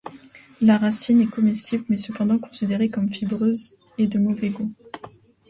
La racine est comestible mais cependant considérée comme fibreuse et de mauvais goût.